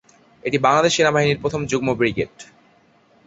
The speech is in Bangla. এটি বাংলাদেশ সেনাবাহিনীর প্রথম যুগ্ম ব্রিগেড।